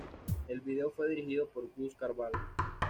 El video fue dirigido por Gus Carballo.